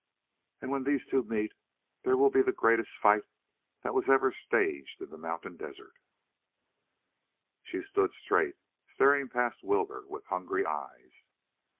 And when those two meet there will be the greatest fight that was ever staged in the mountain desert." She stood straight, staring past Wilbur with hungry eyes.